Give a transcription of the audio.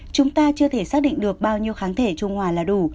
chúng ta chưa thể xác định được bao nhiêu kháng thể trung hòa là đủ